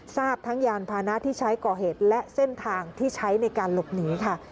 ทราบทั้งยานพานะที่ใช้ก่อเหตุและเส้นทางที่ใช้ในการหลบหนีค่ะ